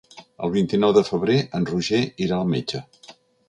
El vint-i-nou de febrer en Roger irà al metge.